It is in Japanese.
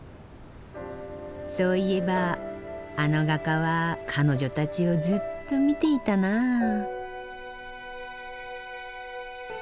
そういえばあの画家は彼女たちをずっと見ていたなあ。